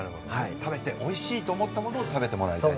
食べておいしいと思ったものを食べてもらいたい。